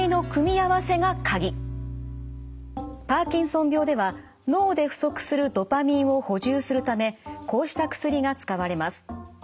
パーキンソン病では脳で不足するドパミンを補充するためこうした薬が使われます。